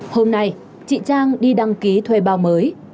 hôm nay chị trang đi đăng ký thuê bao mới